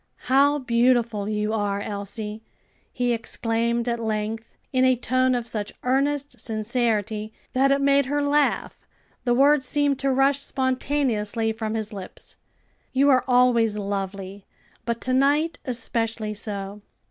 "How beautiful you are, Elsie!" he exclaimed at length, in a tone of such earnest sincerity that it made her laugh, the words seemed to rush spontaneously from his lips. "You are always lovely, but to night especially so."